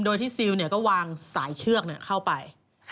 โดยที่ซิลก็วางสายเชือกเข้าไป